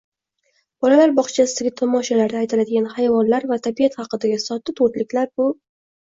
Bolalar bog‘chasidagi tomoshalarda aytiladigan hayvonlar va tabiat haqidagi sodda to‘rtliklar – bu